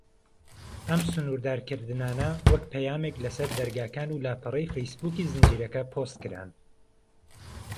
ئەم سنوردارکردنانە وەک پەیامێک لە سەر دەرگاکان و لاپەڕەی فەیس بووکی زنجیرەکە پۆست کران.